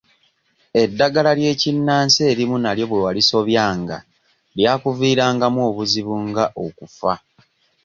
Eddagala ly'ennansi erimu nalyo bwe walisobyanga lyakuviirangamu obuzibu nga okufa.